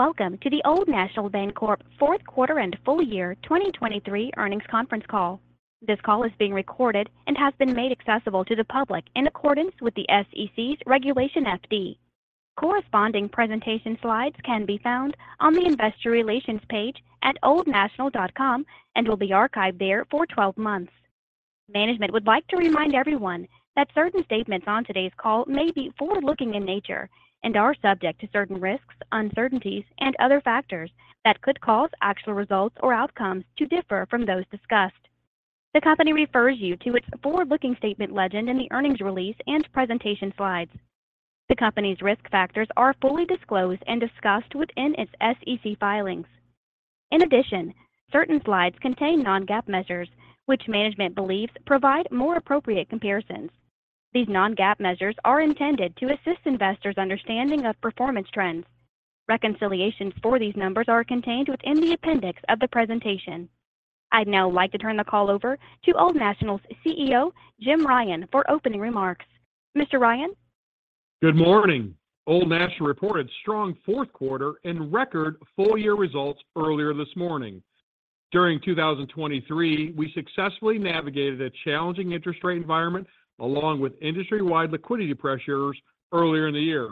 Welcome to the Old National Bancorp fourth quarter and full year 2023 earnings conference call. This call is being recorded and has been made accessible to the public in accordance with the SEC's Regulation FD. Corresponding presentation slides can be found on the Investor Relations page at oldnational.com and will be archived there for 12 months. Management would like to remind everyone that certain statements on today's call may be forward-looking in nature and are subject to certain risks, uncertainties, and other factors that could cause actual results or outcomes to differ from those discussed. The company refers you to its forward-looking statement legend in the earnings release and presentation slides. The company's risk factors are fully disclosed and discussed within its SEC filings. In addition, certain slides contain non-GAAP measures, which management believes provide more appropriate comparisons. These non-GAAP measures are intended to assist investors' understanding of performance trends. Reconciliations for these numbers are contained within the appendix of the presentation. I'd now like to turn the call over to Old National's CEO, Jim Ryan, for opening remarks. Mr. Ryan? Good morning! Old National reported strong fourth quarter and record full-year results earlier this morning. During 2023, we successfully navigated a challenging interest rate environment, along with industry-wide liquidity pressures earlier in the year.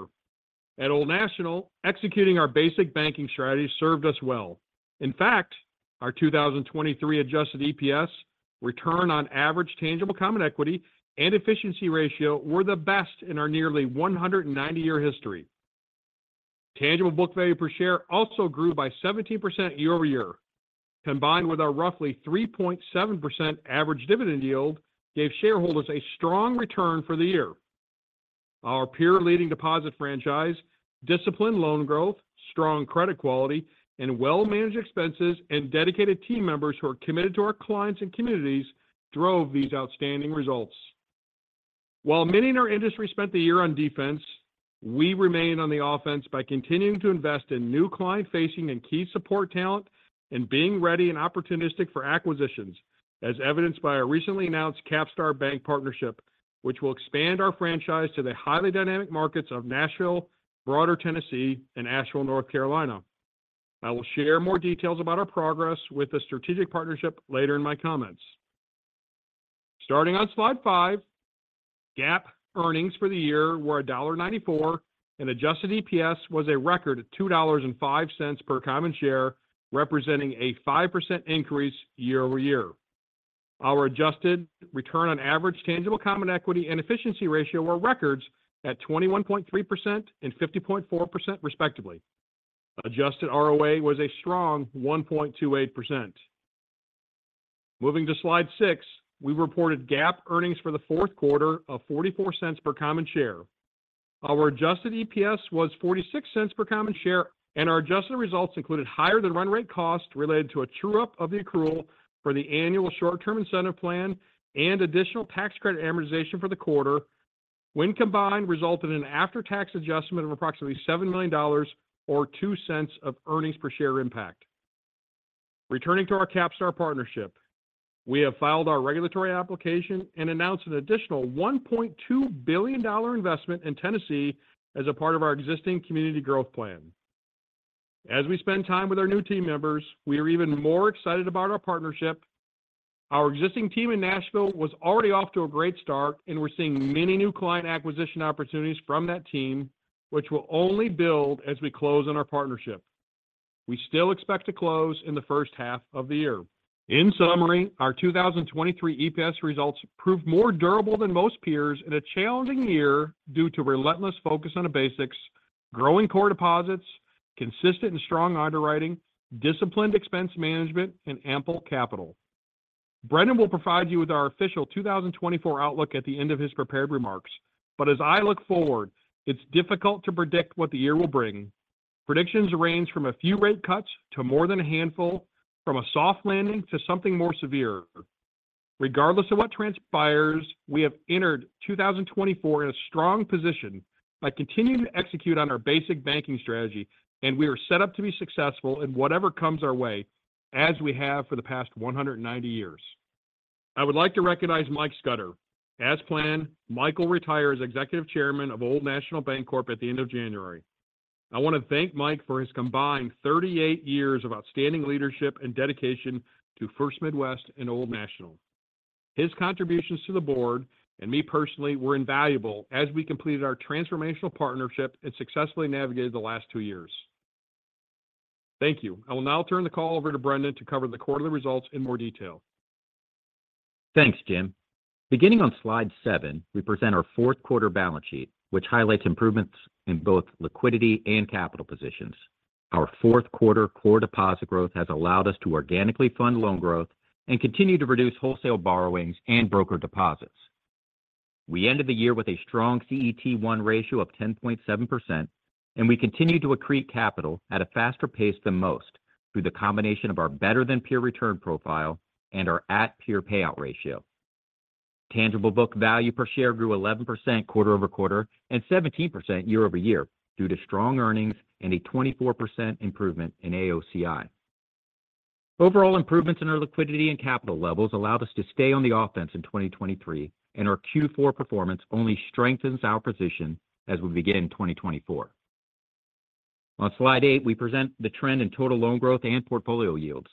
At Old National, executing our basic banking strategy served us well. In fact, our 2023 adjusted EPS, return on average tangible common equity, and efficiency ratio were the best in our nearly 190-year history. Tangible book value per share also grew by 17% year-over-year, combined with our roughly 3.7% average dividend yield, gave shareholders a strong return for the year. Our peer-leading deposit franchise, disciplined loan growth, strong credit quality, and well-managed expenses, and dedicated team members who are committed to our clients and communities drove these outstanding results. While many in our industry spent the year on defense, we remained on the offense by continuing to invest in new client-facing and key support talent and being ready and opportunistic for acquisitions, as evidenced by our recently announced CapStar Bank partnership, which will expand our franchise to the highly dynamic markets of Nashville, broader Tennessee and Asheville, North Carolina. I will share more details about our progress with the strategic partnership later in my comments. Starting on slide 5, GAAP earnings for the year were $1.94, and adjusted EPS was a record at $2.05 per common share, representing a 5% increase year-over-year. Our adjusted return on average tangible common equity and efficiency ratio were records at 21.3% and 50.4%, respectively. Adjusted ROA was a strong 1.28%. Moving to slide 6, we reported GAAP earnings for the fourth quarter of $0.44 per common share. Our adjusted EPS was $0.46 per common share, and our adjusted results included higher than run rate cost related to a true-up of the accrual for the annual short-term incentive plan and additional tax credit amortization for the quarter, when combined, resulted in an after-tax adjustment of approximately $7 million or $0.02 of earnings per share impact. Returning to our CapStar partnership, we have filed our regulatory application and announced an additional $1.2 billion investment in Tennessee as a part of our existing community growth plan. As we spend time with our new team members, we are even more excited about our partnership. Our existing team in Nashville was already off to a great start, and we're seeing many new client acquisition opportunities from that team, which will only build as we close on our partnership. We still expect to close in the first half of the year. In summary, our 2023 EPS results proved more durable than most peers in a challenging year due to relentless focus on the basics, growing core deposits, consistent and strong underwriting, disciplined expense management, and ample capital. Brendon will provide you with our official 2024 outlook at the end of his prepared remarks. But as I look forward, it's difficult to predict what the year will bring. Predictions range from a few rate cuts to more than a handful, from a soft landing to something more severe. Regardless of what transpires, we have entered 2024 in a strong position by continuing to execute on our basic banking strategy, and we are set up to be successful in whatever comes our way as we have for the past 190 years. I would like to recognize Mike Scudder. As planned, Michael retired as Executive Chairman of Old National Bancorp at the end of January. I want to thank Mike for his combined 38 years of outstanding leadership and dedication to First Midwest and Old National. His contributions to the board and me personally, were invaluable as we completed our transformational partnership and successfully navigated the last 2 years. Thank you. I will now turn the call over to Brendon to cover the quarterly results in more detail. Thanks, Jim. Beginning on slide 7, we present our fourth quarter balance sheet, which highlights improvements in both liquidity and capital positions. Our fourth quarter core deposit growth has allowed us to organically fund loan growth and continue to reduce wholesale borrowings and broker deposits. We ended the year with a strong CET1 ratio of 10.7%, and we continued to accrete capital at a faster pace than most, through the combination of our better-than-peer return profile and our at-peer payout ratio. Tangible book value per share grew 11% quarter-over-quarter and 17% year-over-year due to strong earnings and a 24% improvement in AOCI. Overall improvements in our liquidity and capital levels allowed us to stay on the offense in 2023, and our Q4 performance only strengthens our position as we begin 2024. On slide 8, we present the trend in total loan growth and portfolio yields.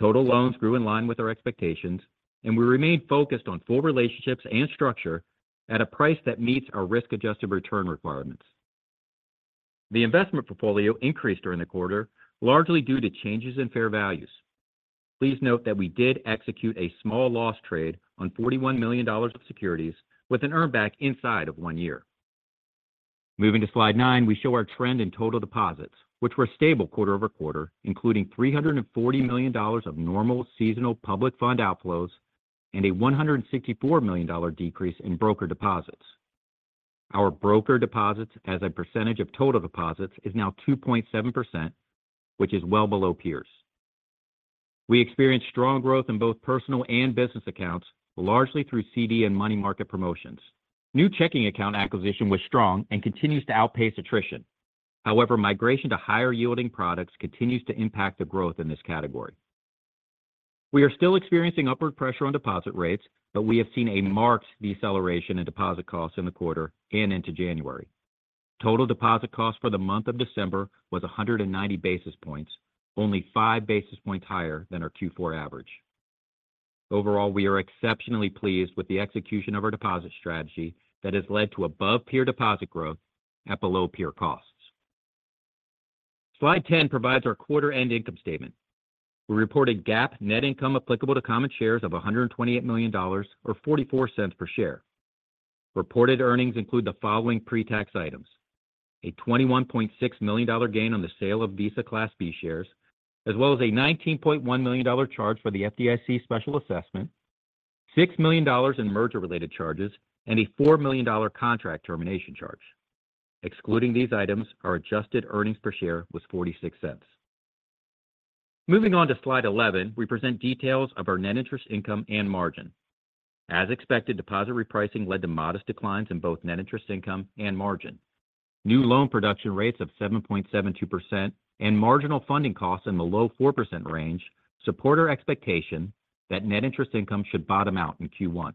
Total loans grew in line with our expectations, and we remain focused on full relationships and structure at a price that meets our risk-adjusted return requirements. The investment portfolio increased during the quarter, largely due to changes in fair values. Please note that we did execute a small loss trade on $41 million of securities with an earn back inside of one year. Moving to slide 9, we show our trend in total deposits, which were stable quarter-over-quarter, including $340 million of normal seasonal public fund outflows and a $164 million decrease in broker deposits. Our broker deposits as a percentage of total deposits is now 2.7%, which is well below peers. We experienced strong growth in both personal and business accounts, largely through CD and money market promotions. New checking account acquisition was strong and continues to outpace attrition. However, migration to higher-yielding products continues to impact the growth in this category. We are still experiencing upward pressure on deposit rates, but we have seen a marked deceleration in deposit costs in the quarter and into January. Total deposit costs for the month of December was 190 basis points, only 5 basis points higher than our Q4 average. Overall, we are exceptionally pleased with the execution of our deposit strategy that has led to above peer deposit growth at below peer costs. Slide 10 provides our quarter end income statement. We reported GAAP net income applicable to common shares of $128 million, or $0.44 per share. Reported earnings include the following pre-tax items: A $21.6 million gain on the sale of Visa Class B shares, as well as a $19.1 million charge for the FDIC Special Assessment, $6 million in merger-related charges, and a $4 million contract termination charge. Excluding these items, our adjusted earnings per share was $0.46. Moving on to slide 11, we present details of our net interest income and margin. As expected, deposit repricing led to modest declines in both net interest income and margin. New loan production rates of 7.72% and marginal funding costs in the low 4% range support our expectation that net interest income should bottom out in Q1.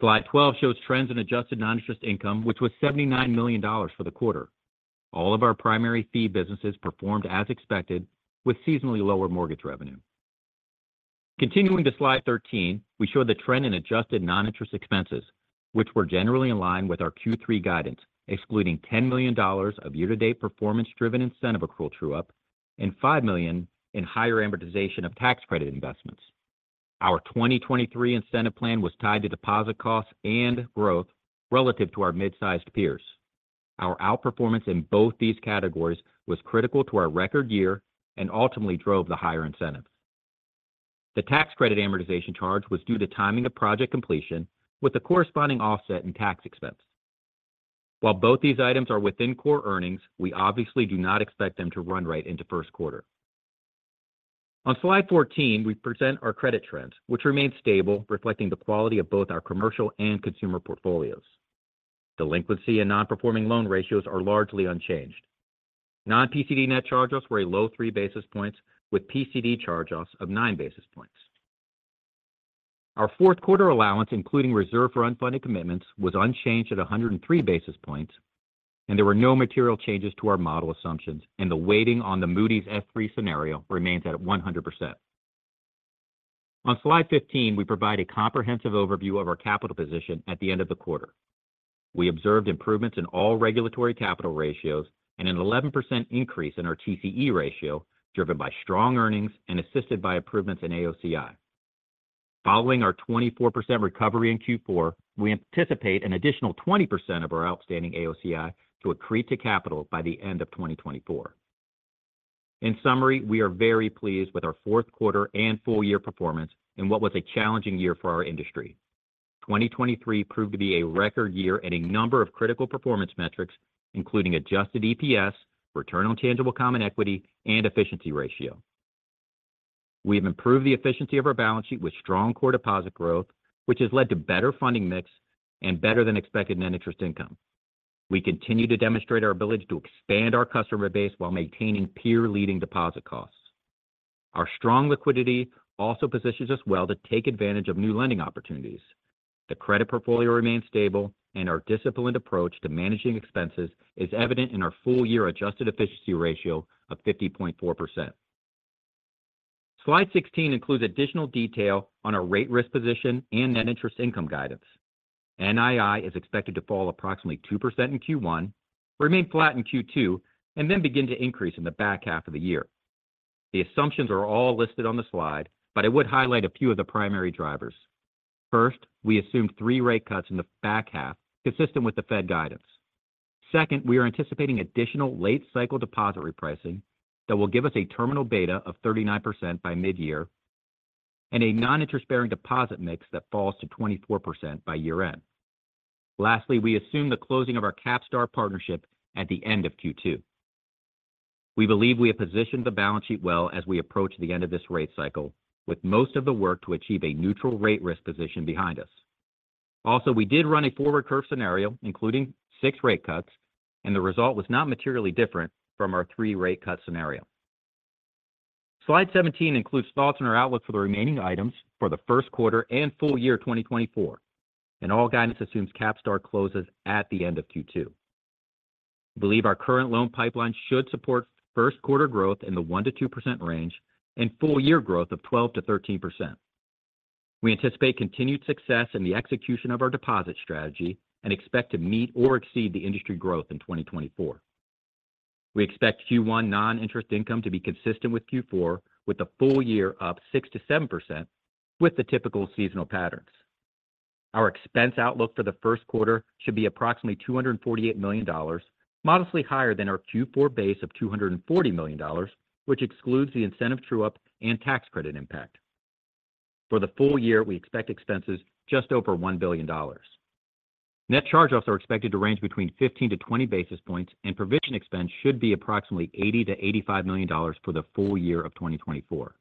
Slide 12 shows trends in adjusted non-interest income, which was $79 million for the quarter. All of our primary fee businesses performed as expected, with seasonally lower mortgage revenue. Continuing to slide 13, we show the trend in adjusted non-interest expenses, which were generally in line with our Q3 guidance, excluding $10 million of year-to-date performance-driven incentive accrual true-up and $5 million in higher amortization of tax credit investments. Our 2023 incentive plan was tied to deposit costs and growth relative to our mid-sized peers. Our outperformance in both these categories was critical to our record year and ultimately drove the higher incentives. The tax credit amortization charge was due to timing of project completion, with a corresponding offset in tax expense. While both these items are within core earnings, we obviously do not expect them to run right into first quarter. On slide 14, we present our credit trends, which remain stable, reflecting the quality of both our commercial and consumer portfolios. Delinquency and non-performing loan ratios are largely unchanged. Non-PCD net charge-offs were a low 3 basis points, with PCD charge-offs of 9 basis points. Our fourth quarter allowance, including reserve for unfunded commitments, was unchanged at 103 basis points, and there were no material changes to our model assumptions, and the weighting on the Moody's S3 scenario remains at 100%. On slide 15, we provide a comprehensive overview of our capital position at the end of the quarter. We observed improvements in all regulatory capital ratios and an 11% increase in our TCE ratio, driven by strong earnings and assisted by improvements in AOCI. Following our 24% recovery in Q4, we anticipate an additional 20% of our outstanding AOCI to accrete to capital by the end of 2024. In summary, we are very pleased with our fourth quarter and full year performance in what was a challenging year for our industry. 2023 proved to be a record year in a number of critical performance metrics, including adjusted EPS, return on tangible common equity, and efficiency ratio. We have improved the efficiency of our balance sheet with strong core deposit growth, which has led to better funding mix and better than expected net interest income. We continue to demonstrate our ability to expand our customer base while maintaining peer-leading deposit costs. Our strong liquidity also positions us well to take advantage of new lending opportunities. The credit portfolio remains stable, and our disciplined approach to managing expenses is evident in our full year adjusted efficiency ratio of 50.4%. Slide 16 includes additional detail on our rate risk position and net interest income guidance. NII is expected to fall approximately 2% in Q1, remain flat in Q2, and then begin to increase in the back half of the year. The assumptions are all listed on the slide, but I would highlight a few of the primary drivers. First, we assume 3 rate cuts in the back half, consistent with the Fed guidance. Second, we are anticipating additional late cycle deposit repricing that will give us a terminal beta of 39% by mid-year and a non-interest-bearing deposit mix that falls to 24% by year-end. Lastly, we assume the closing of our CapStar partnership at the end of Q2. We believe we have positioned the balance sheet well as we approach the end of this rate cycle, with most of the work to achieve a neutral rate risk position behind us.... Also, we did run a forward curve scenario, including 6 rate cuts, and the result was not materially different from our 3 rate cut scenario. Slide 17 includes thoughts on our outlook for the remaining items for the first quarter and full year 2024, and all guidance assumes CapStar closes at the end of Q2. We believe our current loan pipeline should support first quarter growth in the 1%-2% range and full year growth of 12%-13%. We anticipate continued success in the execution of our deposit strategy and expect to meet or exceed the industry growth in 2024. We expect Q1 non-interest income to be consistent with Q4, with a full year up 6%-7% with the typical seasonal patterns. Our expense outlook for the first quarter should be approximately $248 million, modestly higher than our Q4 base of $240 million, which excludes the incentive true-up and tax credit impact. For the full year, we expect expenses just over $1 billion. Net charge-offs are expected to range between 15-20 basis points, and provision expense should be approximately $80 million-$85 million for the full year of 2024.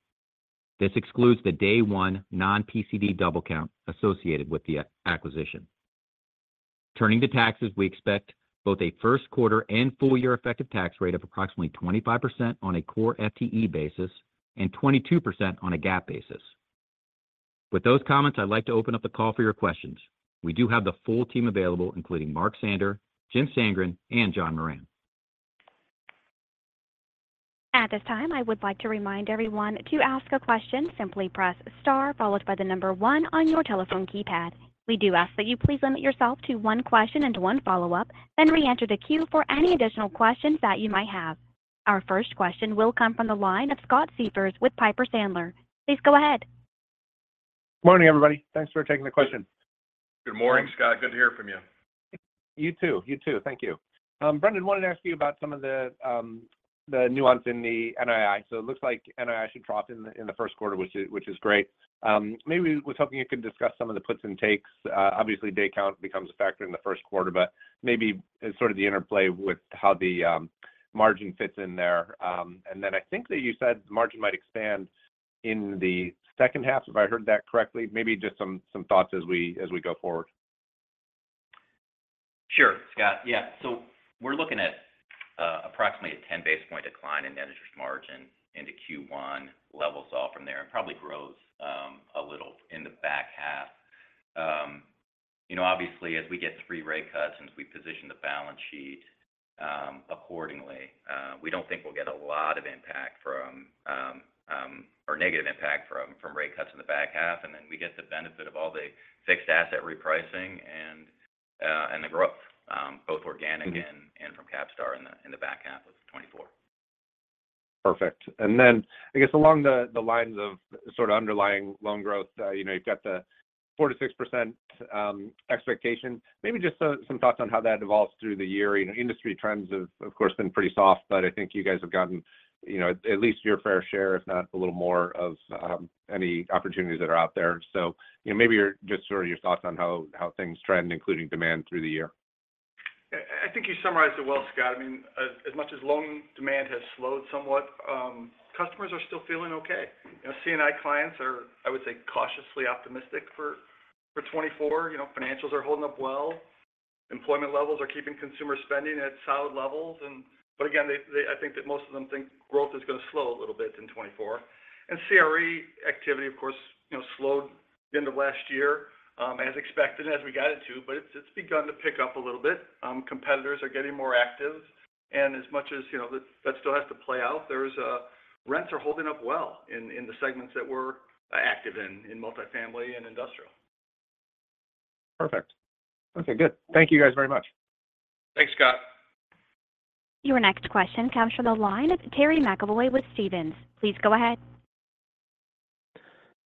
This excludes the day one non-PCD double count associated with the acquisition. Turning to taxes, we expect both a first quarter and full year effective tax rate of approximately 25% on a core FTE basis and 22% on a GAAP basis. With those comments, I'd like to open up the call for your questions. We do have the full team available, including Mark Sander, Jim Sandgren, and John Moran. At this time, I would like to remind everyone: to ask a question, simply press star followed by the number one on your telephone keypad. We do ask that you please limit yourself to one question and one follow-up, then reenter the queue for any additional questions that you might have. Our first question will come from the line of Scott Siefers with Piper Sandler. Please go ahead. Good morning, everybody. Thanks for taking the question. Good morning, Scott. Good to hear from you. You too. You too. Thank you. Brendon, wanted to ask you about some of the, the nuance in the NII. So it looks like NII should drop in the, in the first quarter, which is, which is great. Maybe was hoping you could discuss some of the puts and takes. Obviously, day count becomes a factor in the first quarter, but maybe as sort of the interplay with how the, margin fits in there. And then I think that you said the margin might expand in the second half. Have I heard that correctly? Maybe just some, some thoughts as we, as we go forward. Sure, Scott. Yeah. So we're looking at approximately a 10 basis point decline in net interest margin into Q1, levels out from there, and probably grows a little in the back half. You know, obviously, as we get 3 rate cuts and as we position the balance sheet accordingly, we don't think we'll get a lot of impact from or negative impact from rate cuts in the back half, and then we get the benefit of all the fixed asset repricing and the growth both organic-and from CapStar in the back half of 2024. Perfect. And then, I guess along the lines of sort of underlying loan growth, you know, you've got the 4%-6% expectation. Maybe just some thoughts on how that evolves through the year. You know, industry trends have, of course, been pretty soft, but I think you guys have gotten, you know, at least your fair share, if not a little more of any opportunities that are out there. So, you know, maybe your-- just sort of your thoughts on how things trend, including demand through the year. I think you summarized it well, Scott. I mean, as much as loan demand has slowed somewhat, customers are still feeling okay. You know, C&I clients are, I would say, cautiously optimistic for 2024. You know, financials are holding up well. Employment levels are keeping consumer spending at solid levels, but again, they, I think that most of them think growth is going to slow a little bit in 2024. And CRE activity, of course, you know, slowed end of last year, as expected, as we got it to, but it's begun to pick up a little bit. Competitors are getting more active, and as much as, you know, that still has to play out, rents are holding up well in the segments that we're active in, in multifamily and industrial. Perfect. Okay, good. Thank you guys very much. Thanks, Scott. Your next question comes from the line of Terry McEvoy with Stephens. Please go ahead.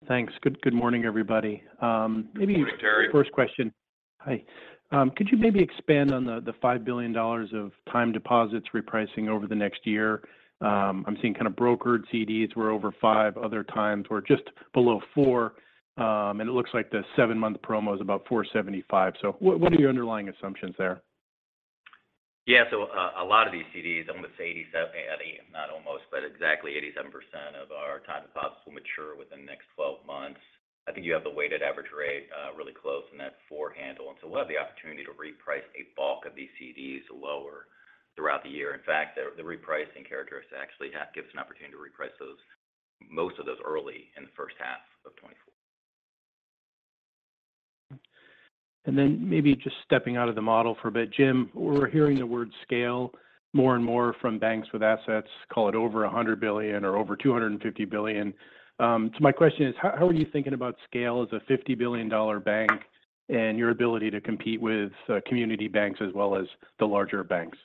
Thanks. Good, good morning, everybody. Maybe- Good morning, Terry. First question. Hi. Could you maybe expand on the $5 billion of time deposits repricing over the next year? I'm seeing kind of brokered CDs were over 5%, other times were just below 4%, and it looks like the 7-month promo is about 4.75%. So what are your underlying assumptions there? Yeah, so, a lot of these CDs, almost 87--80, not almost, but exactly 87% of our time deposits will mature within the next 12 months. I think you have the weighted average rate, really close in that four handle. And so we'll have the opportunity to reprice a bulk of these CDs lower throughout the year. In fact, the repricing characteristic actually gives an opportunity to reprice those, most of those early in the first half of 2024. And then maybe just stepping out of the model for a bit, Jim, we're hearing the word scale more and more from banks with assets, call it over $100 billion or over $250 billion. So my question is: How, how are you thinking about scale as a $50 billion bank and your ability to compete with community banks as well as the larger banks?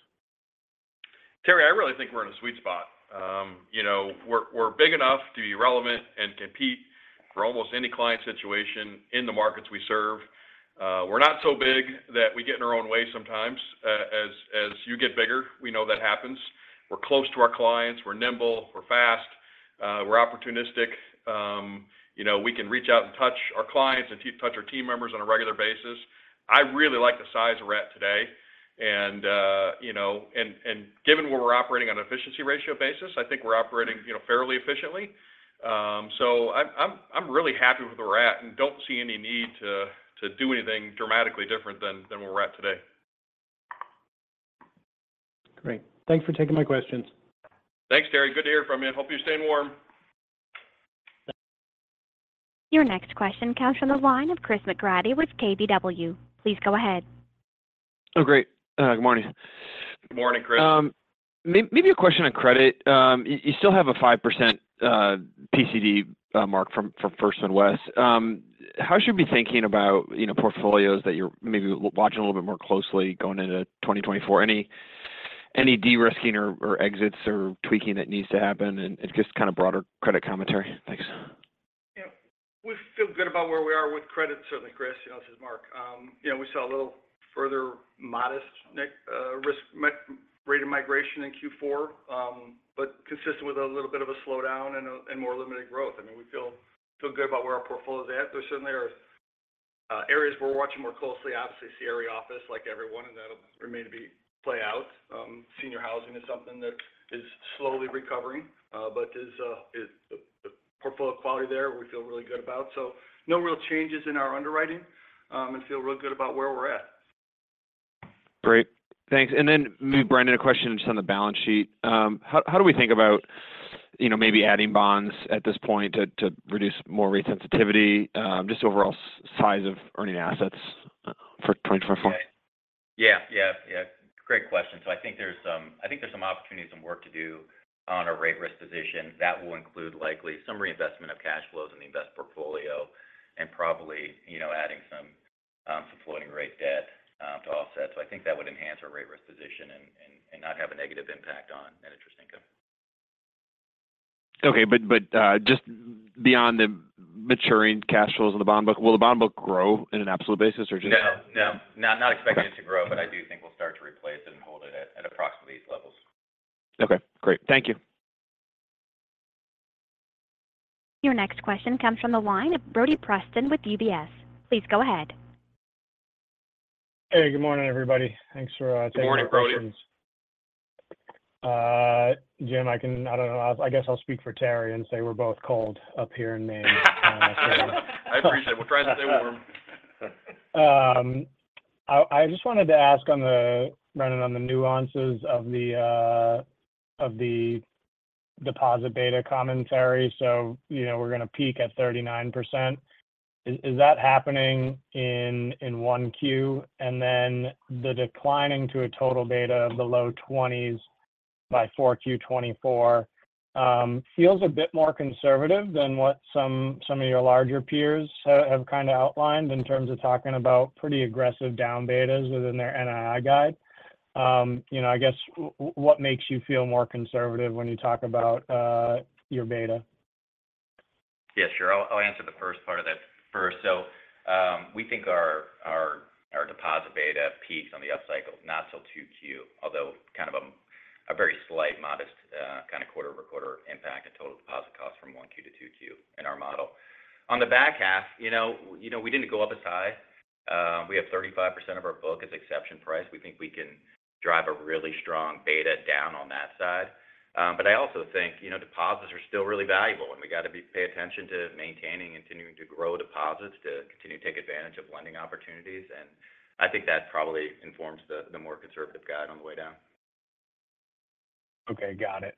Terry, I really think we're in a sweet spot. You know, we're big enough to be relevant and compete for almost any client situation in the markets we serve. We're not so big that we get in our own way sometimes. As you get bigger, we know that happens. We're close to our clients, we're nimble, we're fast, we're opportunistic. You know, we can reach out and touch our clients and touch our team members on a regular basis. I really like the size we're at today, and you know, and given where we're operating on an efficiency ratio basis, I think we're operating, you know, fairly efficiently. So I'm really happy with where we're at, and don't see any need to do anything dramatically different than where we're at today. Great. Thanks for taking my questions. Thanks, Terry. Good to hear from you. Hope you're staying warm. Your next question comes from the line of Chris McGratty with KBW. Please go ahead. Oh, great. Good morning. Good morning, Chris. Maybe a question on credit. You still have a 5% PCD mark from First Midwest. How should we be thinking about, you know, portfolios that you're maybe watching a little bit more closely going into 2024? Any de-risking or exits or tweaking that needs to happen, and just kind of broader credit commentary? Thanks. Yeah. We feel good about where we are with credit. Certainly, Chris, you know, this is Mark. You know, we saw a little further modest increase in risk migration rate in Q4, but consistent with a little bit of a slowdown and more limited growth. I mean, we feel good about where our portfolio is at, but certainly there are areas we're watching more closely. Obviously, CRE office, like everyone, and that'll remain to be played out. Senior housing is something that is slowly recovering, but the portfolio quality there, we feel really good about. So no real changes in our underwriting, and feel real good about where we're at. Great. Thanks. And then maybe, Brendon, a question just on the balance sheet. How, how do we think about, you know, maybe adding bonds at this point to reduce more rate sensitivity, just overall size of earning assets for 2024? Yeah. Yeah, yeah. Great question. So I think there's some opportunities, some work to do on our rate risk position. That will include likely some reinvestment of cash flows in the invest portfolio and probably, you know, adding some floating rate debt to offset. So I think that would enhance our rate risk position and not have a negative impact on net interest income. Okay, but just beyond the maturing cash flows of the bond book, will the bond book grow in an absolute basis or just- No, not expecting it to grow, but I do think we'll start to replace it and hold it at approximately these levels. Okay, great. Thank you. Your next question comes from the line of Brody Preston with UBS. Please go ahead. Hey, good morning, everybody. Thanks for taking our questions. Good morning, Brody. Jim, I don't know, I guess I'll speak for Terry and say we're both cold up here in Maine. I appreciate it. Well, try to stay warm. I just wanted to ask on the—Brendon, on the nuances of the, of the deposit beta commentary. So, you know, we're going to peak at 39%. Is that happening in 1Q? And then the declining to a total beta of the low 20s by 4Q 2024 feels a bit more conservative than what some of your larger peers have kind of outlined in terms of talking about pretty aggressive down betas within their NII guide. You know, I guess, what makes you feel more conservative when you talk about your beta? Yeah, sure. I'll, I'll answer the first part of that first. So, we think our deposit beta peaks on the upcycle, not till 2Q, although kind of a very slight modest kind of quarter-over-quarter impact and total deposit cost from 1Q to 2Q in our model. On the back half, you know, we didn't go up as high. We have 35% of our book as exception price. We think we can drive a really strong beta down on that side. But I also think, you know, deposits are still really valuable, and we got to pay attention to maintaining and continuing to grow deposits to continue to take advantage of lending opportunities. And I think that probably informs the more conservative guide on the way down. Okay, got it.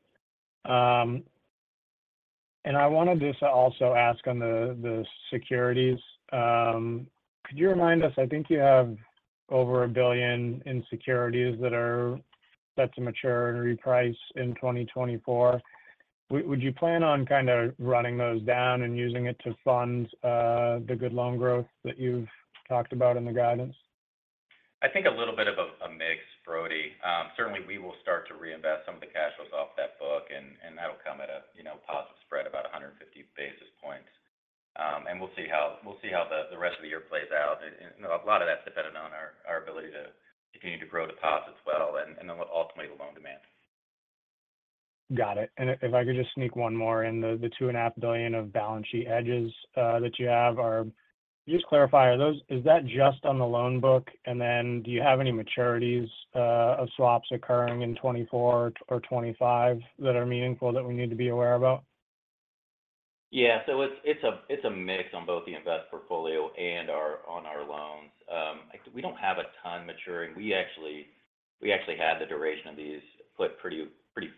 And I wanted to just also ask on the securities. Could you remind us? I think you have over $1 billion in securities that are set to mature and reprice in 2024. Would you plan on kind of running those down and using it to fund the good loan growth that you've talked about in the guidance? I think a little bit of a mix, Brody. Certainly, we will start to reinvest some of the cash flows off that book, and that'll come at a, you know, positive spread about 150 basis points. And we'll see how the rest of the year plays out. A lot of that's dependent on our ability to continue to grow deposits well, and then ultimately, the loan demand. Got it. And if I could just sneak one more in, the $2.5 billion of balance sheet hedges that you have are... Just clarify, are those—is that just on the loan book? And then, do you have any maturities of swaps occurring in 2024 or 2025 that are meaningful that we need to be aware about? Yeah. So it's a mix on both the investment portfolio and our loans. We don't have a ton maturing. We actually had the duration of these put pretty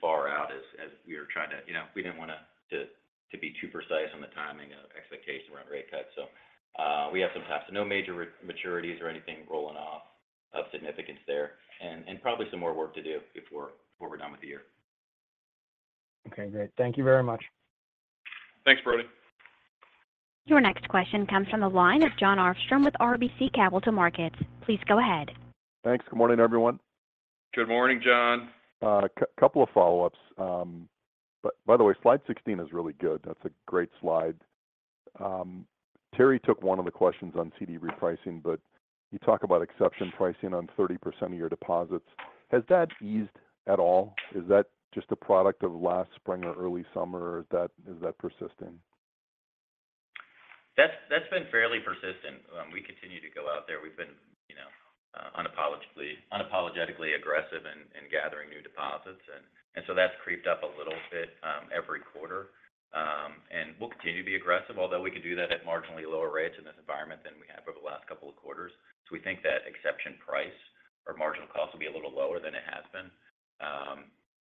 far out as we were trying to—you know, we didn't want to be too precise on the timing of expectations around rate cuts. So we have some time. So no major rematurities or anything rolling off of significance there, and probably some more work to do before we're done with the year. Okay, great. Thank you very much. Thanks, Brody. Your next question comes from the line of Jon Arfstrom with RBC Capital Markets. Please go ahead. Thanks. Good morning, everyone. Good morning, Jon. Couple of follow-ups. But by the way, slide 16 is really good. That's a great slide. Terry took one of the questions on CD repricing, but you talk about exception pricing on 30% of your deposits. Has that eased at all? Is that just a product of last spring or early summer, or is that, is that persisting?... That's, that's been fairly persistent. We continue to go out there. We've been, you know, unapologetically, unapologetically aggressive in, in gathering new deposits, and, and so that's crept up a little bit, every quarter. And we'll continue to be aggressive, although we could do that at marginally lower rates in this environment than we have over the last couple of quarters. So we think that exception price or marginal cost will be a little lower than it has been.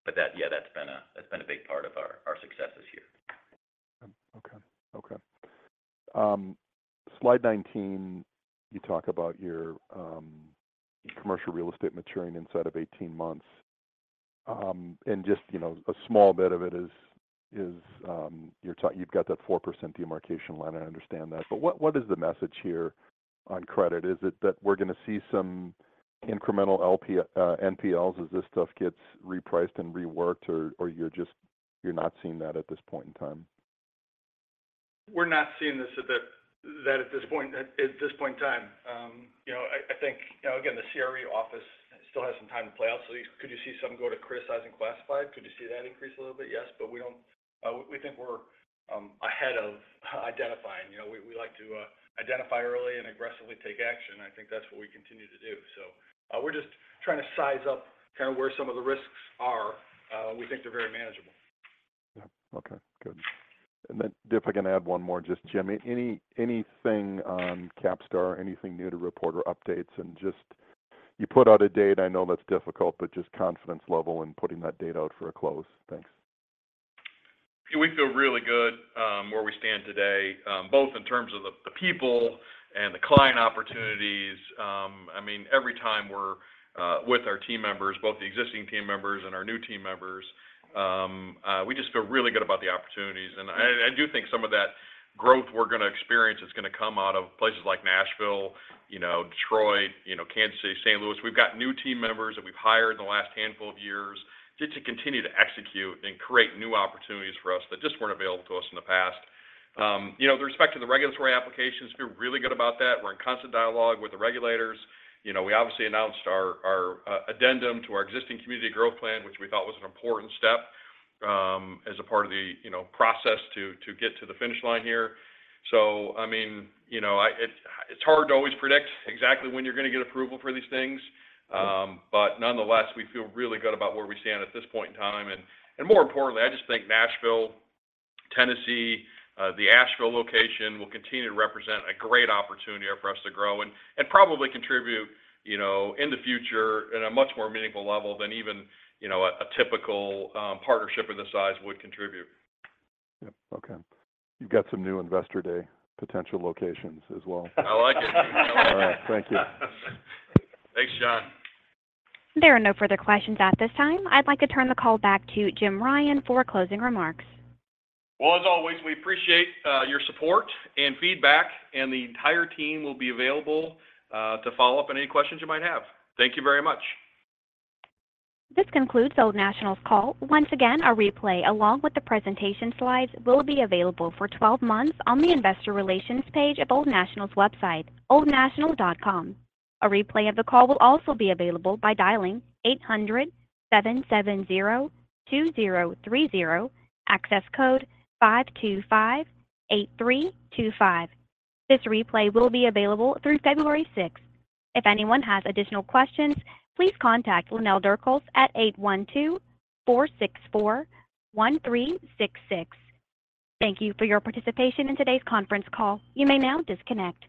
But that-- yeah, that's been a, that's been a big part of our, our success this year. Okay. Okay. Slide 19, you talk about your commercial real estate maturing inside of 18 months. And just, you know, a small bit of it is you've got that 4% demarcation line. I understand that. But what is the message here on credit? Is it that we're going to see some incremental LP NPLs, as this stuff gets repriced and reworked, or you're not seeing that at this point in time? We're not seeing this at that point, at this point in time. You know, I think, you know, again, the CRE office still has some time to play out. So could you see some go to criticized and classified? Could you see that increase a little bit? Yes, but we don't, we think we're ahead of identifying. You know, we like to identify early and aggressively take action. I think that's what we continue to do. So, we're just trying to size up kind of where some of the risks are. We think they're very manageable. Yeah. Okay, good. And then, if I can add one more, just Jim, anything on CapStar, anything new to report or updates? And just, you put out a date, I know that's difficult, but just confidence level in putting that date out for a close. Thanks. We feel really good where we stand today, both in terms of the people and the client opportunities. I mean, every time we're with our team members, both the existing team members and our new team members, we just feel really good about the opportunities. And I do think some of that growth we're going to experience is going to come out of places like Nashville, you know, Detroit, you know, Kansas City, St. Louis. We've got new team members that we've hired in the last handful of years, just to continue to execute and create new opportunities for us that just weren't available to us in the past. You know, with respect to the regulatory applications, feel really good about that. We're in constant dialogue with the regulators. You know, we obviously announced our addendum to our existing community growth plan, which we thought was an important step as a part of the, you know, process to get to the finish line here. So I mean, you know, it's hard to always predict exactly when you're going to get approval for these things. But nonetheless, we feel really good about where we stand at this point in time. And more importantly, I just think Nashville, Tennessee, the Asheville location will continue to represent a great opportunity for us to grow and probably contribute, you know, in the future in a much more meaningful level than even, you know, a typical partnership of this size would contribute. Yep. Okay. You've got some new Investor Day potential locations as well. I like it. All right. Thank you. Thanks, Jon. There are no further questions at this time. I'd like to turn the call back to Jim Ryan for closing remarks. Well, as always, we appreciate your support and feedback, and the entire team will be available to follow up on any questions you might have. Thank you very much. This concludes Old National's call. Once again, a replay, along with the presentation slides, will be available for 12 months on the investor relations page of Old National's website, oldnational.com. A replay of the call will also be available by dialing 800-770-2030, access code 5258325. This replay will be available through February 6. If anyone has additional questions, please contact Lynell Durkos at 812-464-1366. Thank you for your participation in today's conference call. You may now disconnect.